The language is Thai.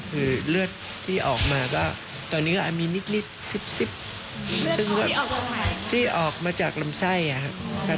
คือเลือดที่ออกมาก็ตอนนี้ก็มีนิดซิบซึ่งเลือดที่ออกมาจากลำไส้ครับ